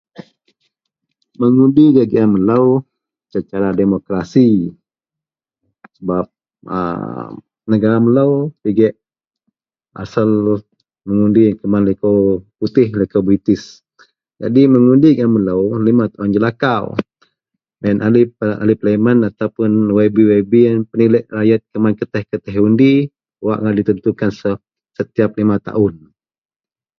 Mengudi gak gian melou secara demokerasi sebab …aaa.. negara melou pigek asel mengudi yen kuman likou putih, likou Britih. Jadi mengudi gian melou lima taun jelakau. Baih yen ahli parlimen ataupun YB-YB yen penilek rayet kuman kereteh-kereteh undi wak ngak ditentukan setiap lima taun